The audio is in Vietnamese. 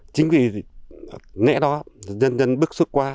chính vì nãy đó nhân dân bức xúc qua